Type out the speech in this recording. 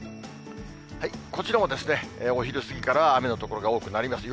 こちらも、お昼過ぎからは雨の所が多くなります。